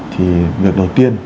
thì việc đầu tiên